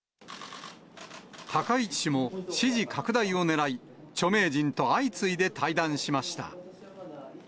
高市氏も、支持拡大をねらい、著名人と相次いで対談しました。